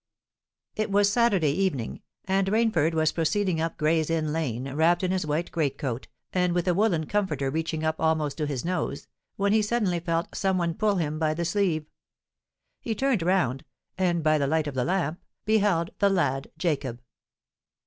It was Saturday evening; and Rainford was proceeding up Gray's Inn Lane, wrapped in his white great coat, and with a woollen "comforter" reaching up almost to his nose, when he suddenly felt some one pull him by the sleeve. He turned round, and, by the light of a lamp, beheld the lad Jacob.